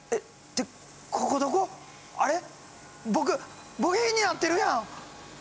僕部品になってるやん！